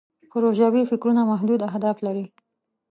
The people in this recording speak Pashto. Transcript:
پروژوي فکرونه محدود اهداف لري.